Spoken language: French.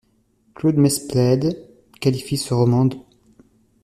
Claude Mesplède qualifie ce roman d'.